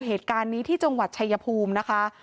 เหตุการณ์นี้ที่จังหวัดชายภูมินะคะ